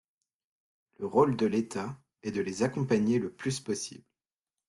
Le rôle de l’État est de les accompagner le plus possible.